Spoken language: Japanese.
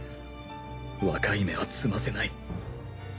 若い芽は摘ませない。